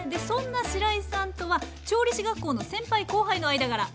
そんなしらいさんとは調理師学校の先輩・後輩の間柄。